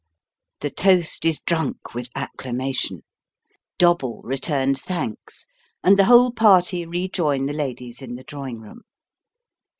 " The toast is drunk with acclamation ; Dobble returns thanks, and the whole party rejoin the ladies in the drawing room.